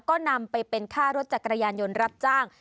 ก็นำไปเป็นค่ารถจักรยานยนต์รับจ้าง